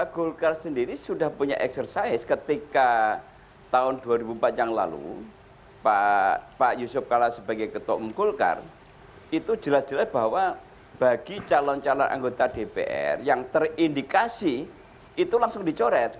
golkar sendiri sudah punya eksersis ketika tahun dua ribu empat yang lalu pak yusuf kala sebagai ketua umum golkar itu jelas jelas bahwa bagi calon calon anggota dpr yang terindikasi itu langsung dicoret